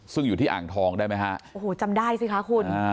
ซึ่งอยู่ที่อ่างทองได้ไหมฮะโอ้โหจำได้สิคะคุณ